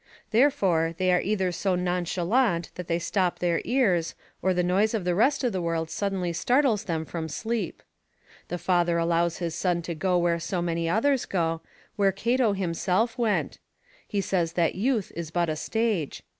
Therefore, they are either so nonchalant that they stop their ears, or the noise of the rest of the world suddenly startles them from sleep. The father allows his son to go where so many others go, where Cato himself went; he says that youth is but a stage.